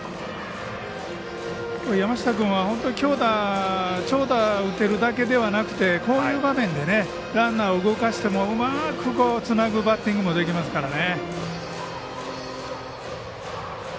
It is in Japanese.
山下君は長打を打てるだけではなくてこういう場面でランナーを動かしても、うまくつなぐバッティングもできますからね。